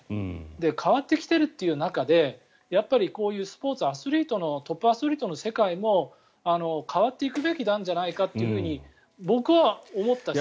変わってきているという中でやっぱりこういうスポーツトップアスリートの世界も変わっていくべきなんじゃないかと僕は思ったし。